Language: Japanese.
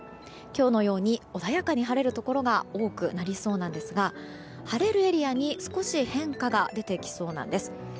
今日のように穏やかに晴れるところが多くなりそうなんですが晴れるエリアに少し変化が出てきそうなんです。